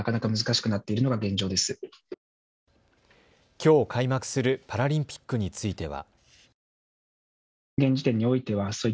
きょう開幕するパラリンピックについては。